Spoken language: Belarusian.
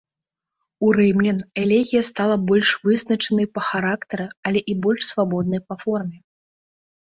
У рымлян элегія стала больш вызначанай па характары, але і больш свабоднай па форме.